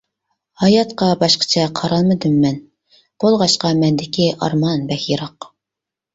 ھاياتقا باشقىچە قارالمىدىم مەن، بولغاچقا مەندىكى ئارمان بەك يىراق.